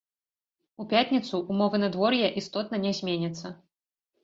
У пятніцу ўмовы надвор'я істотна не зменяцца.